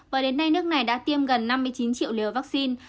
và đến nay nước này đã tiêm gần năm mươi chín triệu liều vaccine